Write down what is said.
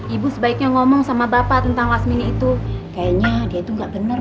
ibu sebaiknya ngomong sama bapak tentang wasmini itu kayaknya dia tuh nggak bener